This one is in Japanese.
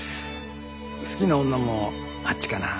好きな女もあっちかなぁ